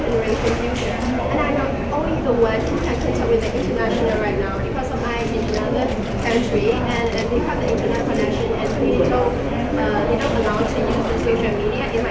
พวกมันจัดสินค้าที่๑๙นาที